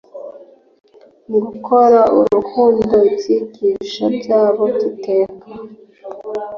Mugukora urukundo ibyigisho byabo byiteka